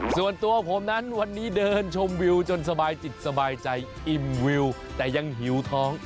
ส่วนตัวผมนั้นวันนี้เดินชมวิวจนสบายจิตสบายใจอิ่มวิวแต่ยังหิวท้อง